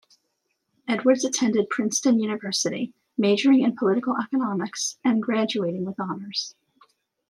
Edwards attended Princeton University, majoring in Political Economics, and graduating with honors.